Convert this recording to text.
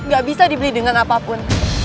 gak bisa dibeli dengan apapun